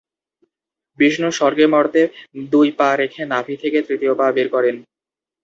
বিষ্ণু স্বর্গে-মর্তে দুই পা রেখে নাভি থেকে তৃতীয় পা বের করেন।